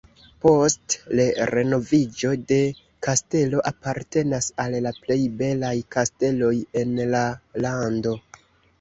Post le renoviĝo la kastelo apartenas al la plej belaj kasteloj en la lando.